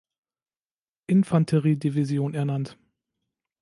Infanterie-Division ernannt.